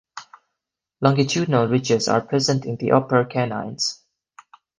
Longitudinal ridges are present in the upper canines.